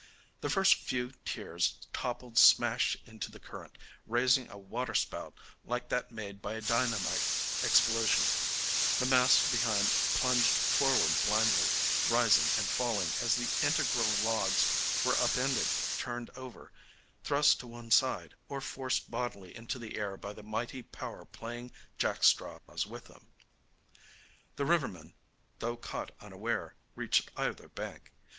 The first few tiers toppled smash into the current, raising a waterspout like that made by a dynamite explosion; the mass behind plunged forward blindly, rising and falling as the integral logs were up ended, turned over, thrust to one side, or forced bodily into the air by the mighty power playing jack straws with them. The rivermen, though caught unaware, reached either bank.